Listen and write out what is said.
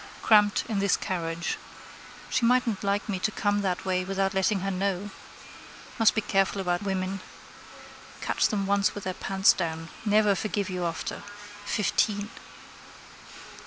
Cramped in this carriage. She mightn't like me to come that way without letting her know. Must be careful about women. Catch them once with their pants down. Never forgive you after. Fifteen.